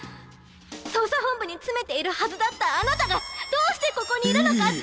捜査本部に詰めているはずだったあなたがどうしてここにいるのかって。